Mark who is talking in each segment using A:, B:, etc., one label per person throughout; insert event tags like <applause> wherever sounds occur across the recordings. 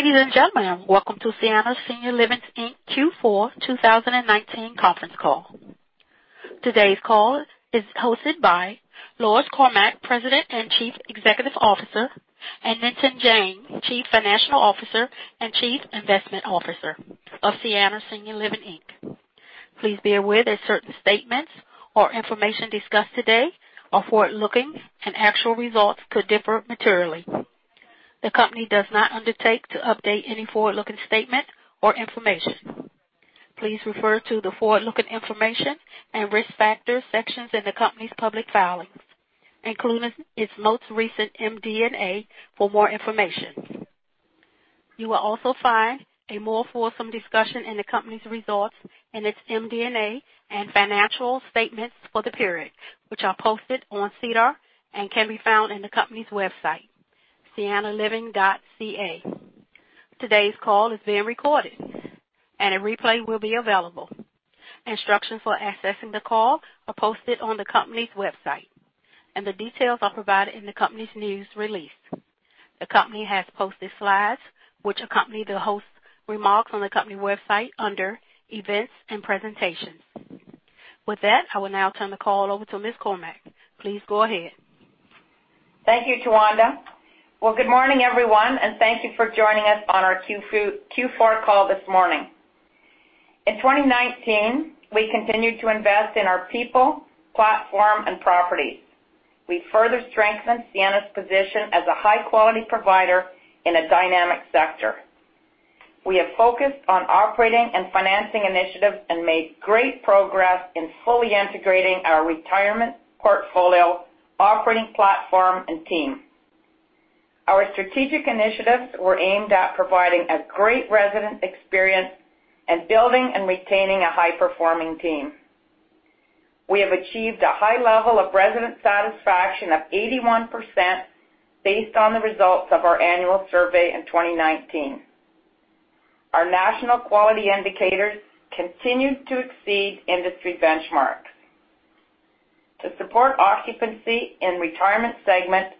A: Ladies and gentlemen, welcome to Sienna Senior Living Inc.'s Q4 2019 conference call. Today's call is hosted by Lois Cormack, President and Chief Executive Officer, and Nitin Jain, Chief Financial Officer and Chief Investment Officer of Sienna Senior Living Inc. Please be aware that certain statements or information discussed today are forward-looking, and actual results could differ materially. The company does not undertake to update any forward-looking statement or information. Please refer to the forward-looking information and risk factors sections in the company's public filings, including its most recent MD&A for more information. You will also find a more fulsome discussion in the company's results in its MD&A and financial statements for the period, which are posted on SEDAR and can be found on the company's website, siennaliving.ca. Today's call is being recorded, and a replay will be available. Instructions for accessing the call are posted on the company's website, and the details are provided in the company's news release. The company has posted slides which accompany the host remarks on the company website under Events and Presentations. With that, I will now turn the call over to Ms. Cormack. Please go ahead.
B: Thank you, Tawanda. Good morning, everyone, and thank you for joining us on our Q4 call this morning. In 2019, we continued to invest in our people, platform, and properties. We further strengthened Sienna's position as a high-quality provider in a dynamic sector. We have focused on operating and financing initiatives and made great progress in fully integrating our retirement portfolio, operating platform, and team. Our strategic initiatives were aimed at providing a great resident experience and building and retaining a high-performing team. We have achieved a high level of resident satisfaction of 81% based on the results of our annual survey in 2019. Our national quality indicators continued to exceed industry benchmarks. To support occupancy in the retirement segment,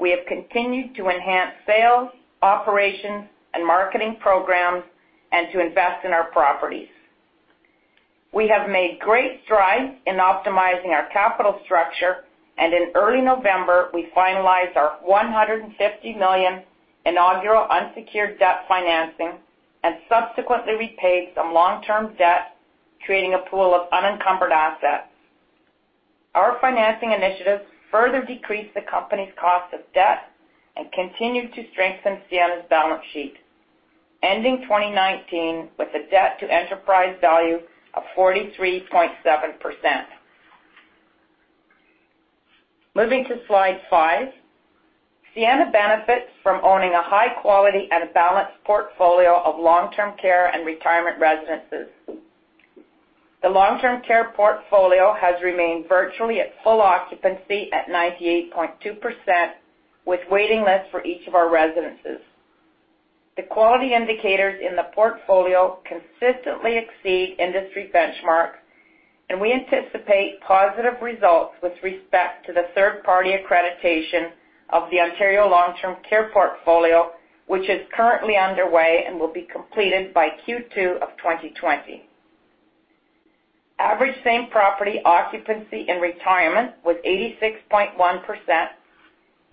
B: we have continued to enhance sales, operations, and marketing programs and to invest in our properties. We have made great strides in optimizing our capital structure. In early November, we finalized our 150 million inaugural unsecured debt financing and subsequently repaid some long-term debt, creating a pool of unencumbered assets. Our financing initiatives further decreased the company's cost of debt and continued to strengthen Sienna's balance sheet, ending 2019 with a debt-to-enterprise value of 43.7%. Moving to slide five. Sienna benefits from owning a high-quality and balanced portfolio of long-term care and retirement residences. The long-term care portfolio has remained virtually at full occupancy at 98.2%, with waiting lists for each of our residences. The quality indicators in the portfolio consistently exceed industry benchmarks. We anticipate positive results with respect to the third-party accreditation of the Ontario Long-Term Care portfolio, which is currently underway and will be completed by Q2 2020. Average same-property occupancy in retirement was 86.1%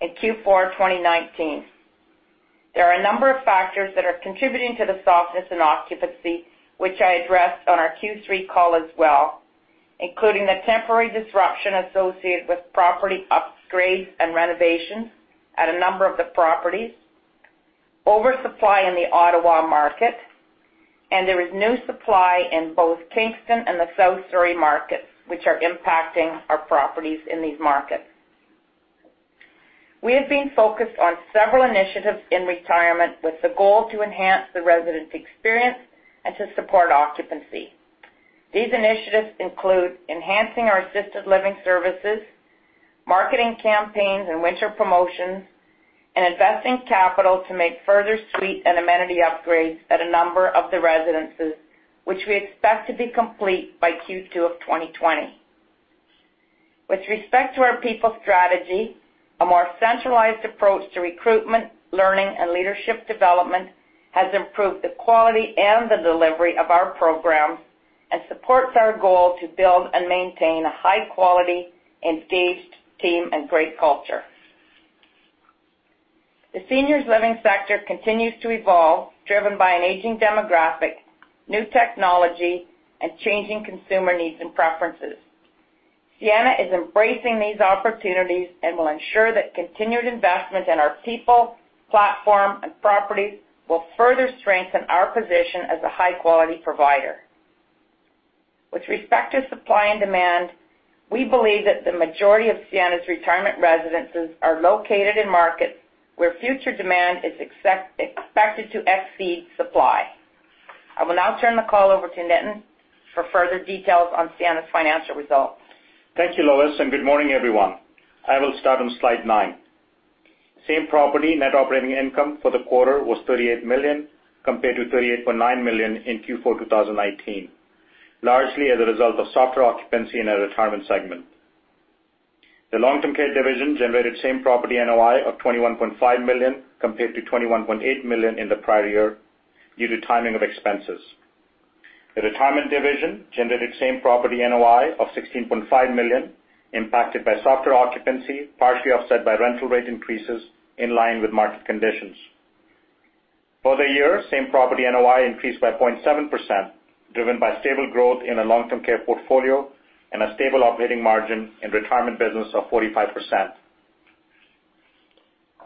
B: in Q4 2019. There are a number of factors that are contributing to the softness in occupancy, which I addressed on our Q3 call as well, including the temporary disruption associated with property upgrades and renovations at a number of the properties, oversupply in the Ottawa market, and there is new supply in both Kingston and the South Surrey markets, which are impacting our properties in these markets. We have been focused on several initiatives in retirement with the goal to enhance the resident experience and to support occupancy. These initiatives include enhancing our assisted living services, marketing campaigns and winter promotions, and investing capital to make further suite and amenity upgrades at a number of the residences, which we expect to be complete by Q2 of 2020. With respect to our people strategy, a more centralized approach to recruitment, learning, and leadership development has improved the quality and the delivery of our programs and supports our goal to build and maintain a high-quality, engaged team, and great culture. The seniors' living sector continues to evolve, driven by an aging demographic, new technology, and changing consumer needs and preferences. Sienna is embracing these opportunities and will ensure that continued investment in our people, platform, and properties will further strengthen our position as a high-quality provider. With respect to supply and demand, we believe that the majority of Sienna's retirement residences are located in markets where future demand is expected to exceed supply. I will now turn the call over to Nitin for further details on Sienna's financial results.
C: Thank you, Lois. Good morning, everyone. I will start on slide nine. Same-property net operating income for the quarter was 38 million, compared to 38.9 million in Q4 2019. Largely as a result of softer occupancy in our retirement segment. The long-term care division generated same-property NOI of 21.5 million compared to 21.8 million in the prior year due to timing of expenses. The retirement division generated same-property NOI of 16.5 million, impacted by softer occupancy, partially offset by rental rate increases in line with market conditions. For the year, same-property NOI increased by 0.7%, driven by stable growth in our long-term care portfolio and a stable operating margin in retirement business of 45%.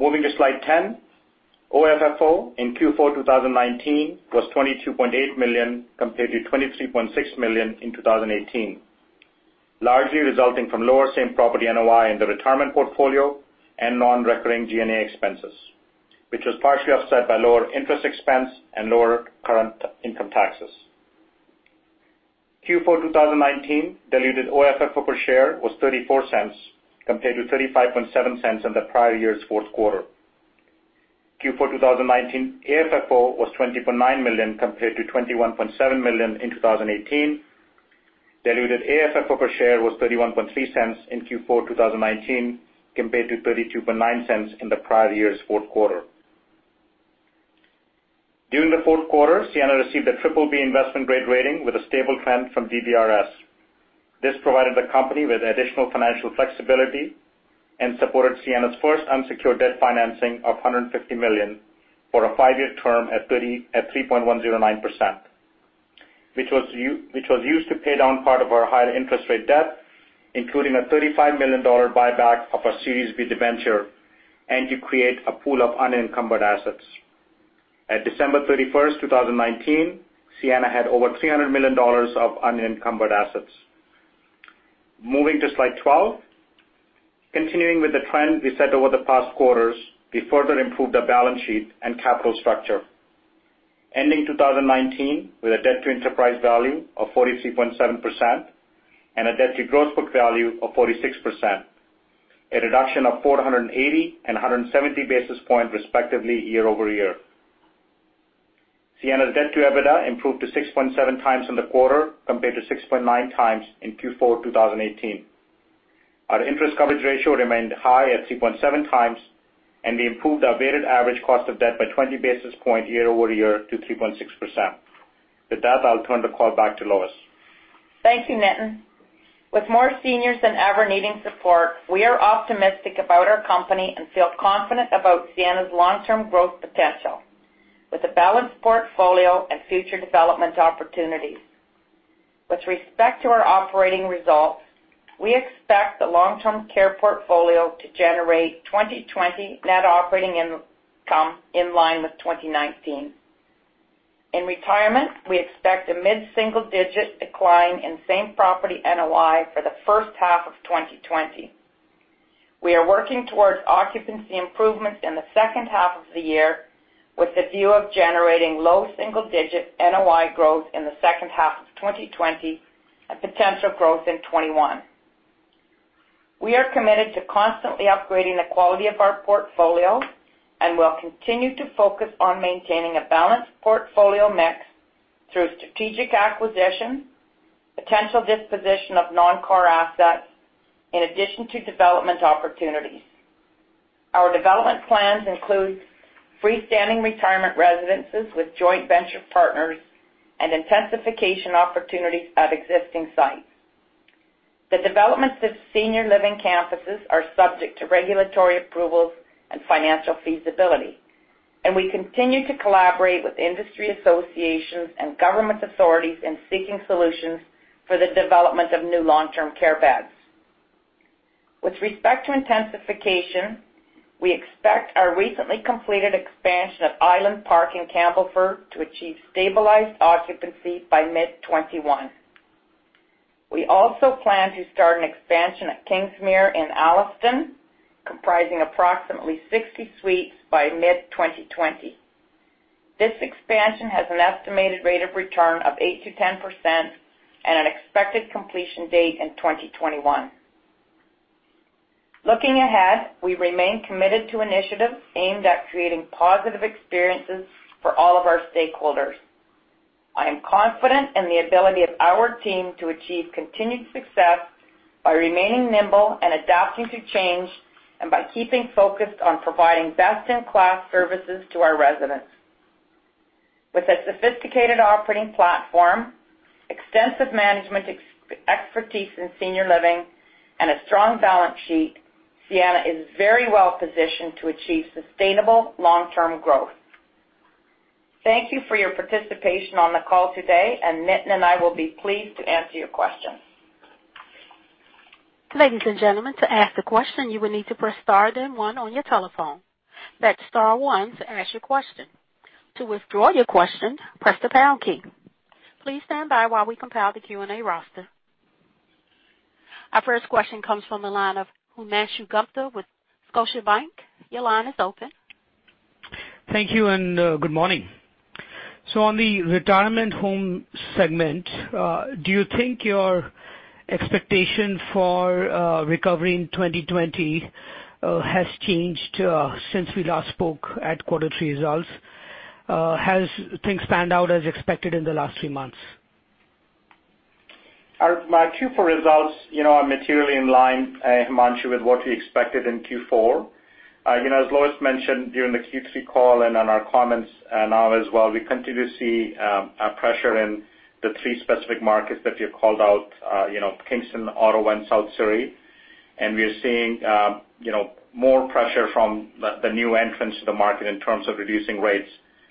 C: Moving to slide 10, OFFO in Q4 2019 was 22.8 million, compared to 23.6 million in 2018, largely resulting from lower same-property NOI in the retirement portfolio and non-recurring G&A expenses, which was partially offset by lower interest expense and lower current income taxes. Q4 2019 diluted OFFO per share was 0.34, compared to 0.3570 in the prior year's fourth quarter. Q4 2019 AFFO was 20.9 million compared to 21.7 million in 2018. Diluted AFFO per share was 0.3130 in Q4 2019 compared to 0.3290 in the prior year's fourth quarter. During the fourth quarter, Sienna received a BBB investment-grade rating with a stable trend from DBRS. This provided the company with additional financial flexibility and supported Sienna's first unsecured debt financing of 150 million for a five-year term at 3.109%, which was used to pay down part of our higher interest rate debt, including a 35 million dollar buyback of our Series B debenture, and to create a pool of unencumbered assets. At December 31st, 2019, Sienna had over 300 million dollars of unencumbered assets. Moving to slide 12. Continuing with the trend we set over the past quarters, we further improved our balance sheet and capital structure. Ending 2019 with a debt-to-enterprise value of 43.7% and a debt-to-gross book value of 46%, a reduction of 480 and 170 basis points respectively year-over-year. Sienna's debt to EBITDA improved to 6.7x in the quarter compared to 6.9x in Q4 2018. Our interest coverage ratio remained high at 3.7 times, and we improved our weighted average cost of debt by 20 basis points year-over-year to 3.6%. With that, I'll turn the call back to Lois.
B: Thank you, Nitin. With more seniors than ever needing support, we are optimistic about our company and feel confident about Sienna's long-term growth potential with a balanced portfolio and future development opportunities. With respect to our operating results, we expect the long-term care portfolio to generate 2020 net operating income in line with 2019. In retirement, we expect a mid-single-digit decline in same-property NOI for the first half of 2020. We are working towards occupancy improvements in the second half of the year with the view of generating low single-digit NOI growth in the second half of 2020 and potential growth in 2021. We are committed to constantly upgrading the quality of our portfolio and will continue to focus on maintaining a balanced portfolio mix through strategic acquisition, potential disposition of non-core assets, in addition to development opportunities. Our development plans include freestanding retirement residences with joint venture partners and intensification opportunities at existing sites. The developments of senior living campuses are subject to regulatory approvals and financial feasibility, and we continue to collaborate with industry associations and government authorities in seeking solutions for the development of new long-term care beds. With respect to intensification, we expect our recently completed expansion at Island Park in Campbellford to achieve stabilized occupancy by mid-2021. We also plan to start an expansion at Kingsmere in Alliston, comprising approximately 60 suites by mid-2020. This expansion has an estimated rate of return of 8%-10% and an expected completion date in 2021. Looking ahead, we remain committed to initiatives aimed at creating positive experiences for all of our stakeholders. I am confident in the ability of our team to achieve continued success by remaining nimble and adapting to change, and by keeping focused on providing best-in-class services to our residents. With a sophisticated operating platform, extensive management expertise in senior living, and a strong balance sheet, Sienna is very well positioned to achieve sustainable long-term growth. Thank you for your participation on the call today, and Nitin and I will be pleased to answer your questions.
A: Ladies and gentlemen, to ask a question, you will need to press star then one on your telephone. That's star one to ask your question. To withdraw your question, press the pound key. Please stand by while we compile the Q&A roster. Our first question comes from the line of Himanshu Gupta with Scotiabank. Your line is open.
D: Thank you and good morning. On the retirement home segment, do you think your expectation for recovery in 2020 has changed since we last spoke at quarter three results? Has things panned out as expected in the last three months?
C: Our Q4 results are materially in line, Himanshu, with what we expected in Q4. As Lois mentioned during the Q3 call and on our comments now as well, we continue to see pressure in the three specific markets that we have called out, Kingston, Ottawa, and South Surrey. We are seeing more pressure from the new entrants to the market in terms of reducing rates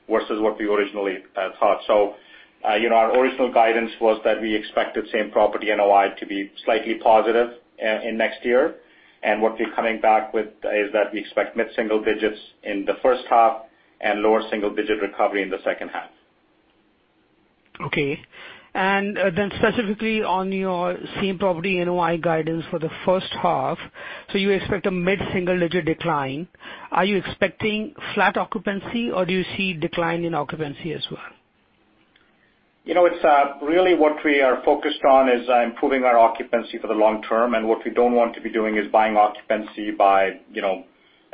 C: versus what we originally thought. Our original guidance was that we expected same-property NOI to be slightly positive in next year. What we're coming back with is that we expect mid-single digits in the first half and lower single-digit recovery in the second half.
D: Okay. Specifically on your same-property NOI guidance for the first half, you expect a mid-single-digit decline. Are you expecting flat occupancy or do you see decline in occupancy as well?
C: Really what we are focused on is improving our occupancy for the long-term. What we don't want to be doing is buying occupancy by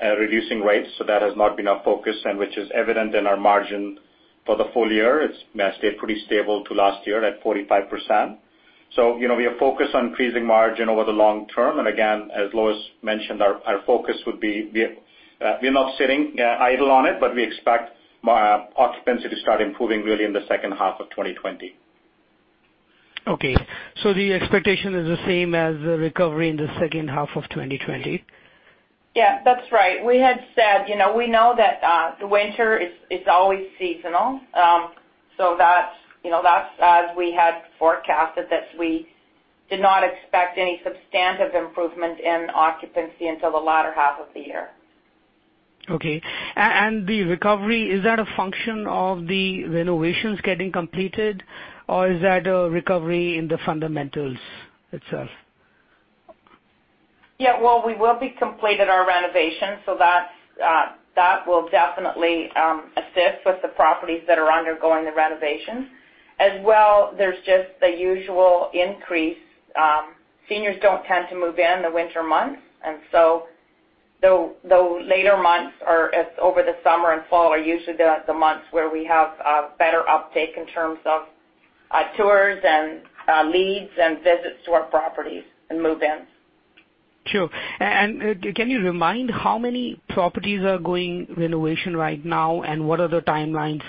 C: reducing rates. That has not been our focus, and which is evident in our margin for the full-year. It's stayed pretty stable to last year at 45%. We are focused on increasing margin over the long-term. Again, as Lois mentioned, our focus would be, we're not sitting idle on it, but we expect our occupancy to start improving really in the second half of 2020.
D: Okay. The expectation is the same as the recovery in the second half of 2020.
B: Yeah, that's right. We had said, we know that the winter is always seasonal. That's as we had forecasted, that we did not expect any substantive improvement in occupancy until the latter half of the year.
D: Okay. The recovery, is that a function of the renovations getting completed, or is that a recovery in the fundamentals itself?
B: Yeah. Well, we will be completed our renovations. That will definitely assist with the properties that are undergoing the renovations. As well, there's just the usual increase. Seniors don't tend to move in the winter months. The later months or over the summer and fall are usually the months where we have better uptake in terms of tours and leads and visits to our properties and move-ins.
D: Sure. Can you remind how many properties are going renovation right now, and what are the timelines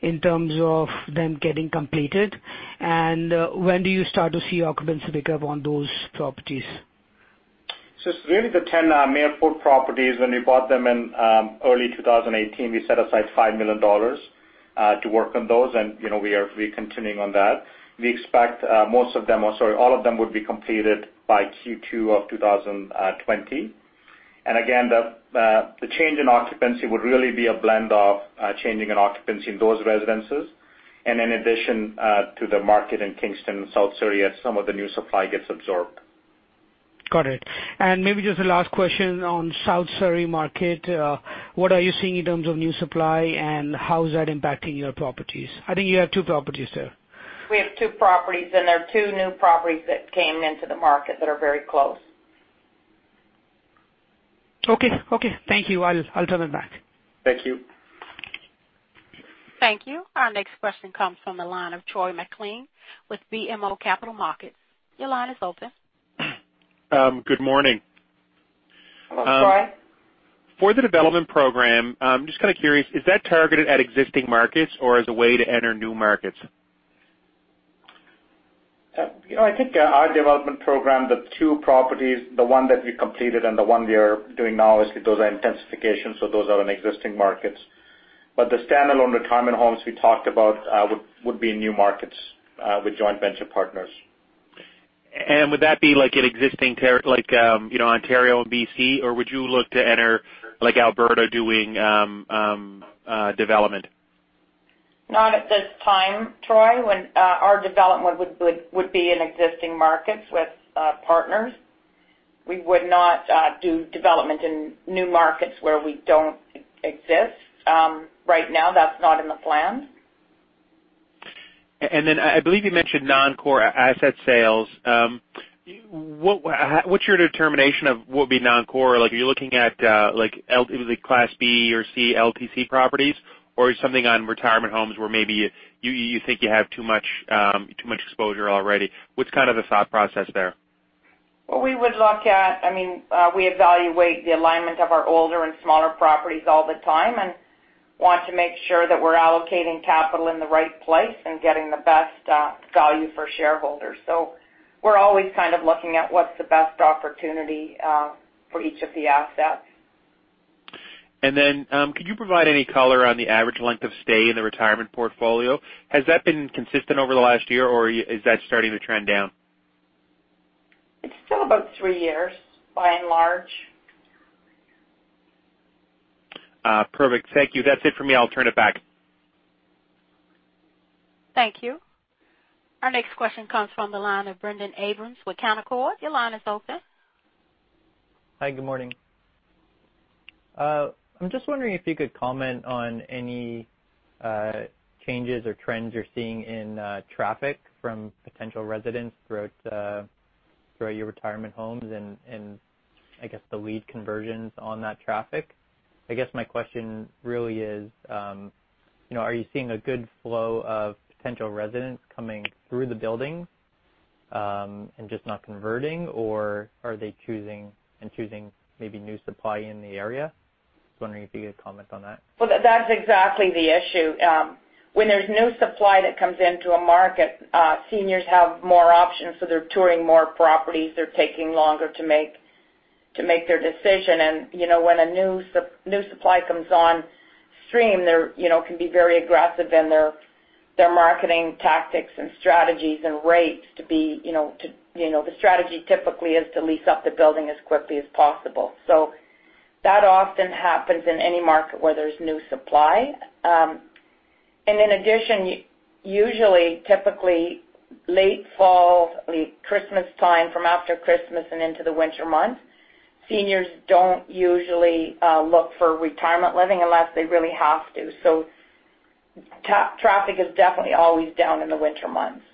D: in terms of them getting completed? When do you start to see occupancy pick up on those properties?
C: It's really the 10 Mayerthorpe properties. When we bought them in early 2018, we set aside 5 million dollars to work on those, and we are continuing on that. We expect most of them, or sorry, all of them would be completed by Q2 of 2020. Again, the change in occupancy would really be a blend of changing in occupancy in those residences and in addition to the market in Kingston and South Surrey, as some of the new supply gets absorbed.
D: Got it. Maybe just a last question on South Surrey market. What are you seeing in terms of new supply, and how is that impacting your properties? I think you have two properties there.
B: We have two properties, and there are two new properties that came into the market that are very close.
D: Okay. Thank you. I'll turn it back.
C: Thank you.
A: Thank you. Our next question comes from the line of Troy MacLean with BMO Capital Markets. Your line is open.
E: Good morning.
C: Hello, Troy.
E: For the development program, I'm just kind of curious, is that targeted at existing markets or as a way to enter new markets?
C: I think our development program, the two properties, the one that we completed and the one we are doing now, obviously, those are intensification, those are in existing markets. The standalone retirement homes we talked about would be in new markets, with joint venture partners.
E: Would that be like an existing territory, like Ontario and B.C.? Or would you look to enter like Alberta doing development?
B: Not at this time, Troy. Our development would be in existing markets with partners. We would not do development in new markets where we don't exist. Right now, that's not in the plans.
E: I believe you mentioned non-core asset sales. What's your determination of what would be non-core? Are you looking at the Class B or C LTC properties, or something on retirement homes where maybe you think you have too much exposure already? What's kind of the thought process there?
B: Well, we evaluate the alignment of our older and smaller properties all the time and want to make sure that we're allocating capital in the right place and getting the best value for shareholders. We're always kind of looking at what's the best opportunity for each of the assets.
E: Could you provide any color on the average length of stay in the retirement portfolio? Has that been consistent over the last year, or is that starting to trend down?
B: It's still about three years, by and large.
E: Perfect. Thank you. That's it for me. I'll turn it back.
A: Thank you. Our next question comes from the line of Brendon Abrams with Canaccord. Your line is open.
F: Hi, good morning. I'm just wondering if you could comment on any changes or trends you're seeing in traffic from potential residents throughout. Throughout your retirement homes and I guess the lead conversions on that traffic, I guess my question really is, are you seeing a good flow of potential residents coming through the buildings, and just not converting, or are they choosing maybe new supply in the area? Just wondering if you could comment on that.
B: Well, that's exactly the issue. When there's new supply that comes into a market, seniors have more options, so they're touring more properties. They're taking longer to make their decision. When a new supply comes on stream, they can be very aggressive in their marketing tactics and strategies and rates. The strategy typically is to lease up the building as quickly as possible. That often happens in any market where there's new supply. In addition, usually, typically late fall, Christmas time, from after Christmas and into the winter months, seniors don't usually look for retirement living unless they really have to. Traffic is definitely always down in the winter months.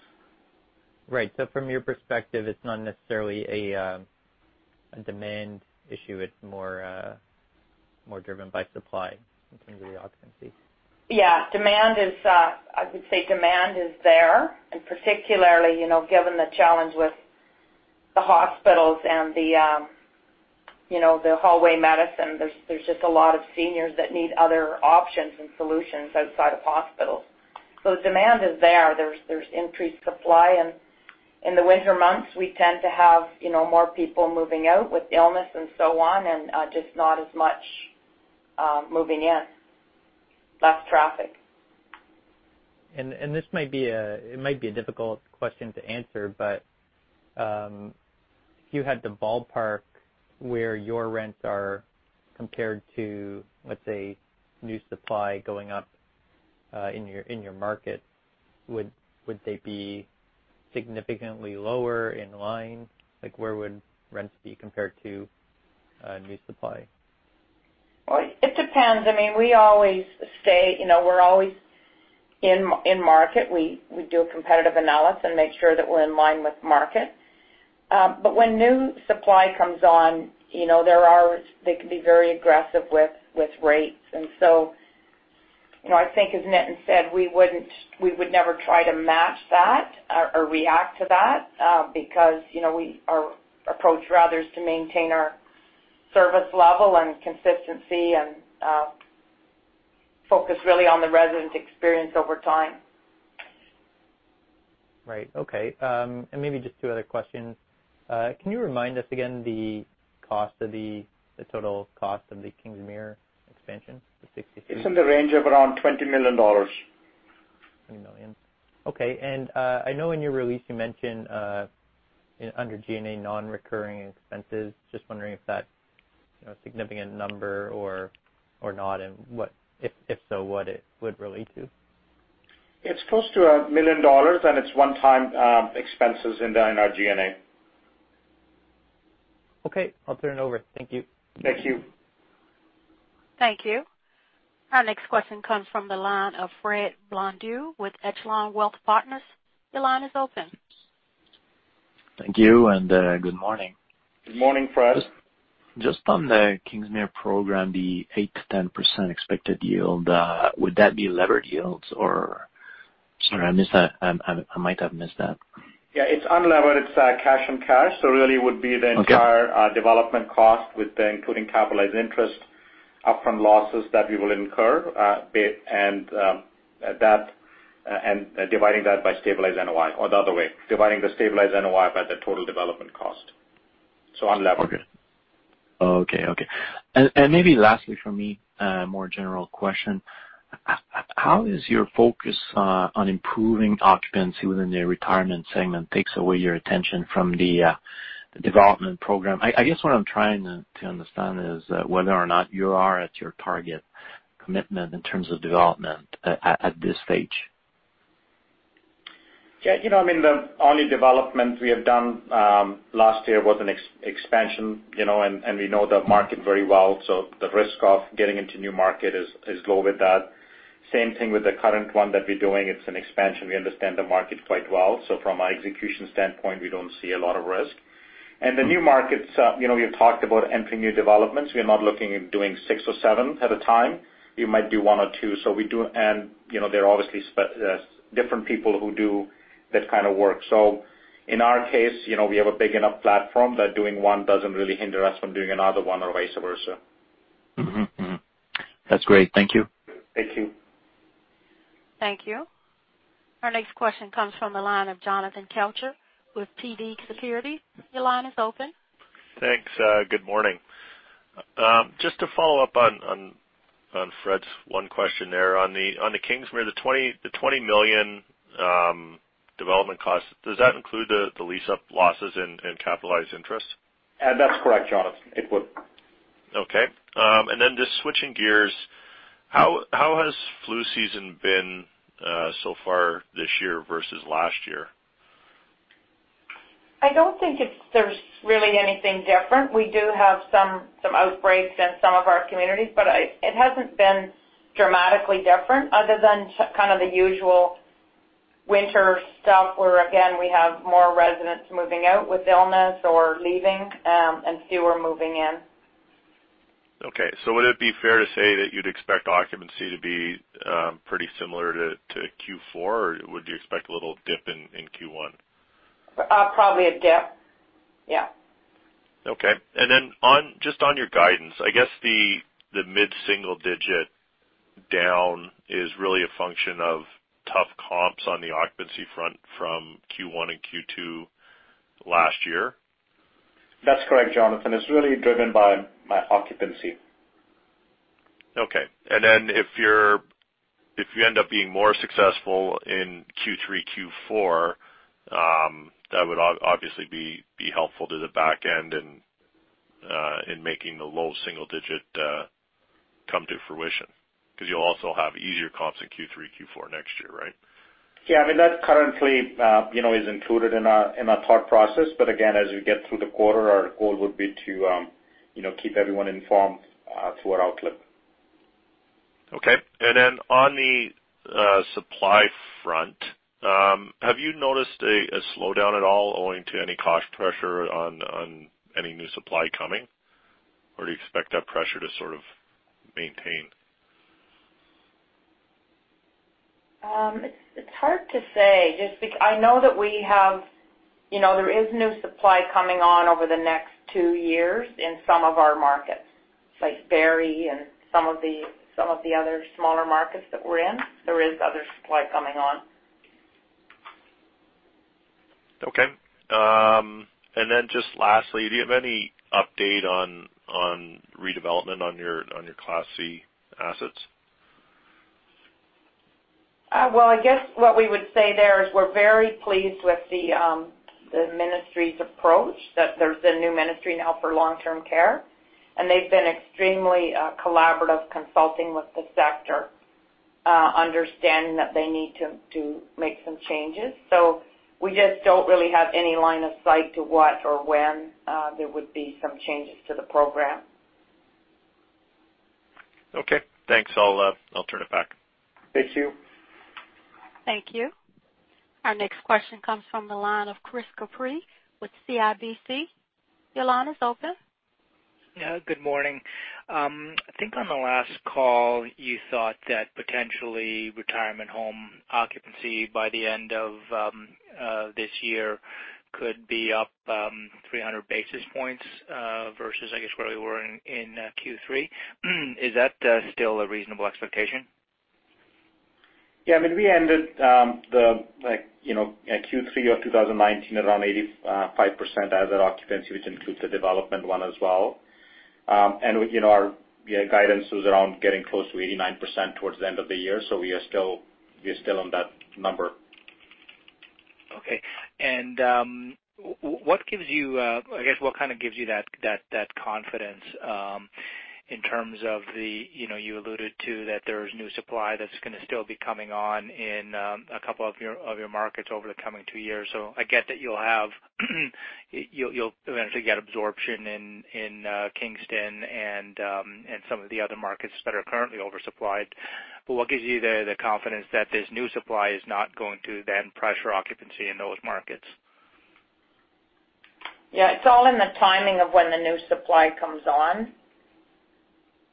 F: Right. From your perspective, it's not necessarily a demand issue, it's more driven by supply in terms of the occupancy.
B: Yeah. I would say demand is there, and particularly, given the challenge with the hospitals and the hallway medicine, there's just a lot of seniors that need other options and solutions outside of hospitals. Demand is there. There's increased supply, and in the winter months, we tend to have more people moving out with illness and so on, and just not as much moving in. Less traffic.
F: It might be a difficult question to answer, but, if you had to ballpark where your rents are compared to, let's say, new supply going up in your market, would they be significantly lower, in line? Where would rents be compared to new supply?
B: It depends. We're always in market. We do a competitive analysis and make sure that we're in line with market. When new supply comes on, they can be very aggressive with rates. I think as Nitin said, we would never try to match that or react to that, because our approach rather is to maintain our service level and consistency and focus really on the resident experience over time.
F: Right. Okay. Maybe just two other questions. Can you remind us again the total cost of the Kingsmere expansion? <audio distortion>
C: It's in the range of around 20 million dollars.
F: CAD 20 million. Okay. I know in your release you mentioned, under G&A non-recurring expenses, just wondering if that's a significant number or not, and if so, what it would relate to.
C: It's close to 1 million dollars, and it's one-time expenses in our G&A.
F: Okay. I'll turn it over. Thank you.
C: Thank you.
A: Thank you. Our next question comes from the line of Frederic Blondeau with Echelon Wealth Partners. Your line is open.
G: Thank you, and good morning.
C: Good morning, Fred.
G: Just on the Kingsmere program, the 8%-10% expected yield, would that be levered yields? Sorry, I might have missed that.
C: Yeah, it's unlevered. It's cash on cash. Really would be.
G: Okay
C: entire development cost including capitalized interest, upfront losses that we will incur, and dividing that by stabilized NOI, or the other way, dividing the stabilized NOI by the total development cost. Unlevered.
G: Okay. Maybe lastly from me, a more general question. How is your focus on improving occupancy within the retirement segment takes away your attention from the development program? I guess what I'm trying to understand is whether or not you are at your target commitment in terms of development at this stage.
C: Yeah. The only development we have done last year was an expansion, and we know the market very well, so the risk of getting into new market is low with that. Same thing with the current one that we're doing, it's an expansion. We understand the market quite well. From an execution standpoint, we don't see a lot of risk. The new markets, we have talked about entering new developments. We're not looking at doing six or seven at a time. We might do one or two. There are obviously different people who do this kind of work. In our case, we have a big enough platform that doing one doesn't really hinder us from doing another one, or vice versa.
G: Mm-hmm. That's great. Thank you.
C: Thank you.
A: Thank you. Our next question comes from the line of Jonathan Kelcher with TD Securities. Your line is open.
H: Thanks. Good morning. Just to follow up on Fred's one question there on the Kingsmere, the 20 million development cost, does that include the lease-up losses and capitalized interest?
C: That's correct, Jonathan. It would.
H: Okay. Just switching gears, how has flu season been so far this year versus last year?
B: I don't think it's really anything different. We do have some outbreaks in some of our communities, but it hasn't been dramatically different other than kind of the usual winter stuff where again, we have more residents moving out with illness or leaving, and fewer moving in.
H: Okay. Would it be fair to say that you'd expect occupancy to be pretty similar to Q4, or would you expect a little dip in Q1?
B: Probably a dip. Yeah.
H: Okay. Just on your guidance, I guess the mid-single digit down is really a function of tough comps on the occupancy front from Q1 and Q2 last year.
C: That's correct, Jonathan. It's really driven by occupancy.
H: Okay. If you end up being more successful in Q3, Q4, that would obviously be helpful to the back end in making the low single digit come to fruition because you'll also have easier comps in Q3, Q4 next year, right?
C: Yeah. That currently is included in our thought process. Again, as we get through the quarter, our goal would be to keep everyone informed to our outlook.
H: Okay. On the supply front, have you noticed a slowdown at all owing to any cost pressure on any new supply coming, or do you expect that pressure to sort of maintain?
B: It's hard to say. I know that there is new supply coming on over the next two years in some of our markets, like Barrie and some of the other smaller markets that we're in. There is other supply coming on.
H: Okay. Then just lastly, do you have any update on redevelopment on your Class C assets?
B: Well, I guess what we would say there is we're very pleased with the ministry's approach, that there's a new ministry now for long-term care, and they've been extremely collaborative, consulting with the sector, understanding that they need to make some changes. We just don't really have any line of sight to what or when there would be some changes to the program.
H: Okay. Thanks. I'll turn it back.
C: Thank you.
A: Thank you. Our next question comes from the line of Chris Couprie with CIBC. Your line is open.
I: Yeah, good morning. I think on the last call, you thought that potentially retirement home occupancy by the end of this year could be up 300 basis points, versus, I guess, where we were in Q3. Is that still a reasonable expectation?
C: Yeah, we ended Q3 of 2019 around 85% as our occupancy, which includes the development one as well. Our guidance was around getting close to 89% towards the end of the year. We are still on that number.
I: Okay. What gives you that confidence in terms of the, you alluded to that there's new supply that's going to still be coming on in a couple of your markets over the coming two years. I get that you'll eventually get absorption in Kingston and some of the other markets that are currently oversupplied. What gives you the confidence that this new supply is not going to then pressure occupancy in those markets?
B: Yeah. It's all in the timing of when the new supply comes on.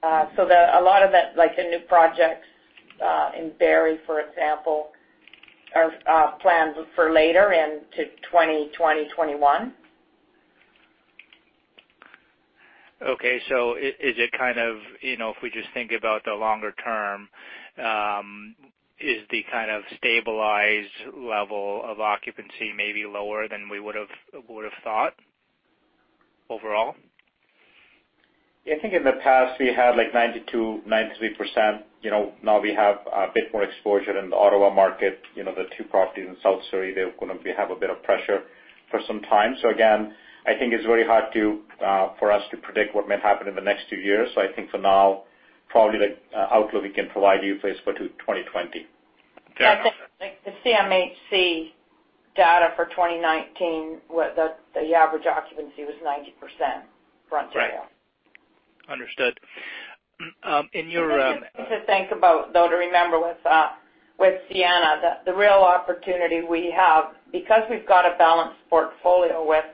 B: A lot of that, like the new projects in Barrie, for example, are planned for later into 2020, 2021.
I: Okay. If we just think about the longer term, is the kind of stabilized level of occupancy maybe lower than we would've thought overall?
C: Yeah. I think in the past, we had like 92, 93%. Now we have a bit more exposure in the Ottawa market. The two properties in South Surrey, they're going to have a bit of pressure for some time. Again, I think it's very hard for us to predict what may happen in the next two years. I think for now, probably the outlook we can provide you for is for 2020.
B: I think the CMHC data for 2019, the average occupancy was 90% front to now.
I: Right. Understood.
B: Another thing to think about, though, to remember with Sienna, the real opportunity we have, because we've got a balanced portfolio with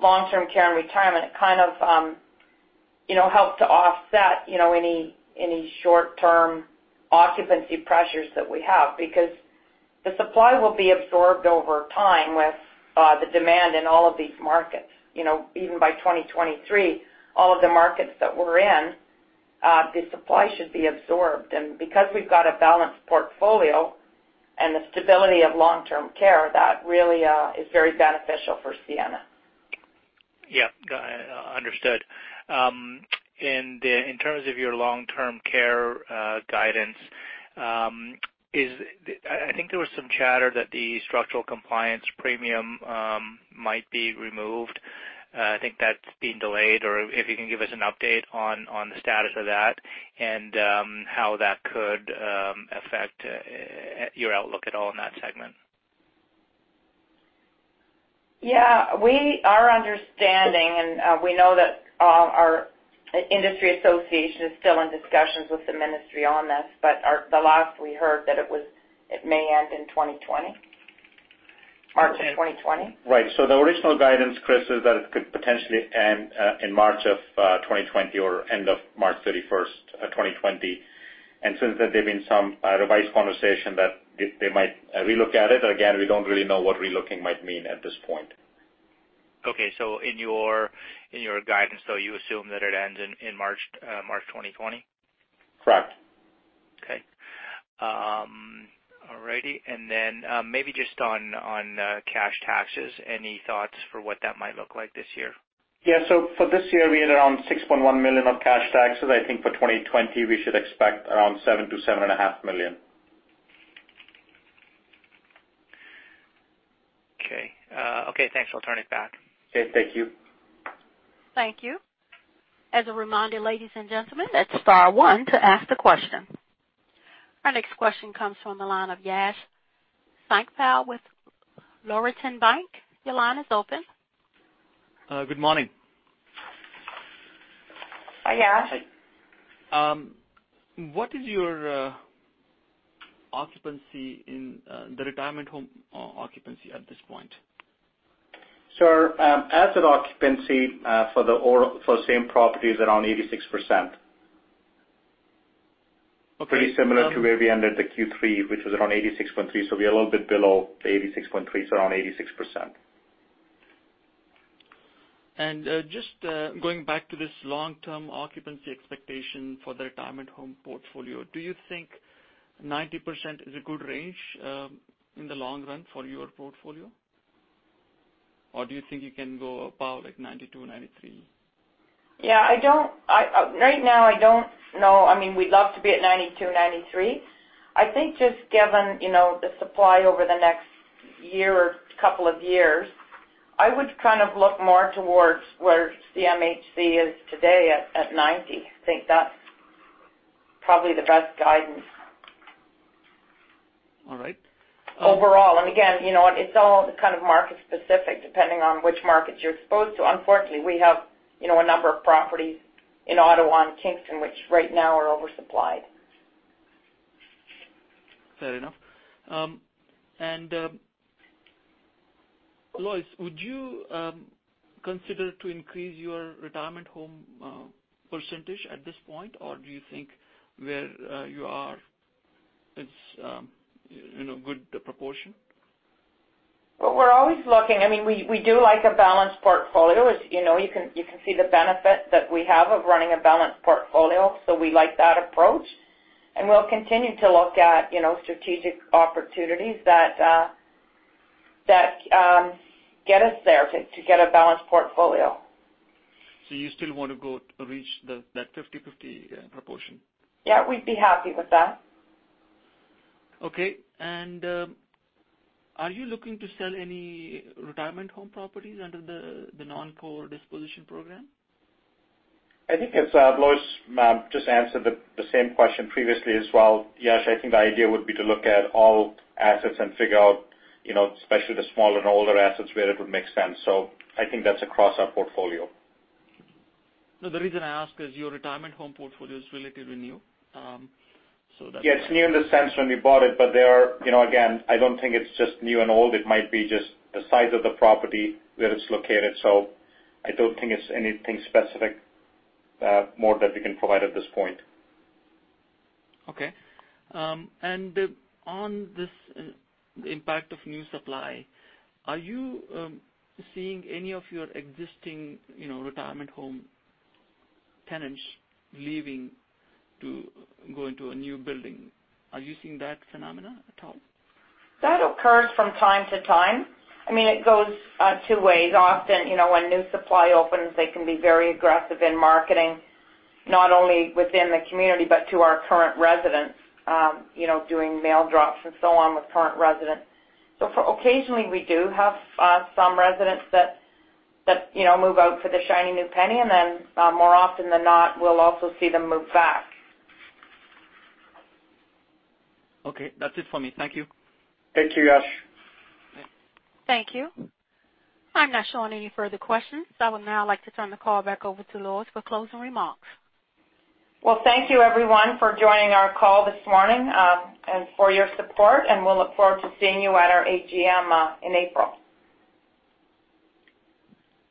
B: long-term care and retirement, it kind of helps to offset any short-term occupancy pressures that we have because the supply will be absorbed over time with the demand in all of these markets. Even by 2023, all of the markets that we're in, the supply should be absorbed. Because we've got a balanced portfolio and the stability of long-term care, that really is very beneficial for Sienna.
I: Yeah. Got it. Understood. In terms of your long-term care guidance, I think there was some chatter that the structural compliance premium might be removed. I think that's been delayed, or if you can give us an update on the status of that and how that could affect your outlook at all in that segment.
B: Yeah. Our understanding, and we know that our industry association is still in discussions with the ministry on this, but the last we heard, that it may end in March of 2020.
C: Right. The original guidance, Chris, is that it could potentially end in March 2020 or end of March 31, 2020. Since then, there's been some revised conversation that they might re-look at it. Again, we don't really know what re-looking might mean at this point.
I: Okay. In your guidance, though, you assume that it ends in March 2020?
C: Correct.
I: Okay. All righty. Maybe just on cash taxes, any thoughts for what that might look like this year?
C: Yeah. For this year, we had around 6.1 million of cash taxes. I think for 2020, we should expect around seven million-CAD seven and a half million.
I: Okay. Thanks. I'll turn it back.
C: Okay. Thank you.
A: Thank you. As a reminder, ladies and gentlemen, hit star one to ask the question. Our next question comes from the line of Yash Sankpal with Laurentian Bank. Your line is open.
J: Good morning.
B: Hi, Yash.
J: What is your retirement home occupancy at this point?
C: Our asset occupancy for the same property is around 86%.
J: Okay.
C: Pretty similar to where we ended the Q3, which was around 86.3. We are a little bit below the 86.3, so around 86%.
J: Just going back to this long-term occupancy expectation for the retirement home portfolio, do you think 90% is a good range in the long run for your portfolio? Or do you think you can go above, like, 92, 93?
B: Yeah. Right now, I don't know. We'd love to be at 92, 93. I think just given the supply over the next year or couple of years, I would look more towards where CMHC is today at 90. I think that's probably the best guidance.
J: All right.
B: Overall. Again, it's all kind of market specific, depending on which markets you're exposed to. Unfortunately, we have a number of properties in Ottawa and Kingston, which right now are oversupplied.
J: Fair enough. Lois, would you consider to increase your retirement home percentage at this point, or do you think where you are is good proportion?
B: Well, we're always looking. We do like a balanced portfolio. You can see the benefit that we have of running a balanced portfolio. We like that approach, and we'll continue to look at strategic opportunities that get us there to get a balanced portfolio.
J: You still want to reach that 50/50 proportion?
B: Yeah. We'd be happy with that.
J: Okay. Are you looking to sell any retirement home properties under the non-core disposition program?
C: I think as Lois just answered the same question previously as well, Yash, I think the idea would be to look at all assets and figure out, especially the small and older assets, where it would make sense. I think that's across our portfolio.
J: No. The reason I ask is your retirement home portfolio is relatively new.
C: Yeah, it's new in the sense when we bought it, but again, I don't think it's just new and old. It might be just the size of the property, where it's located. I don't think it's anything specific more that we can provide at this point.
J: Okay. On this impact of new supply, are you seeing any of your existing retirement home tenants leaving to go into a new building? Are you seeing that phenomena at all?
B: That occurs from time to time. It goes two ways. Often, when new supply opens, they can be very aggressive in marketing, not only within the community but to our current residents, doing mail drops and so on with current residents. Occasionally, we do have some residents that move out for the shiny new penny, and then more often than not, we'll also see them move back.
J: Okay. That's it for me. Thank you.
C: Thank you, Yash.
A: Thank you. I'm not showing any further questions. I would now like to turn the call back over to Lois for closing remarks.
B: Well, thank you everyone for joining our call this morning, and for your support, and we'll look forward to seeing you at our AGM in April.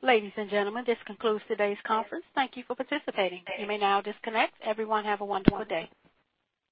A: Ladies and gentlemen, this concludes today's conference. Thank you for participating. You may now disconnect. Everyone have a wonderful day.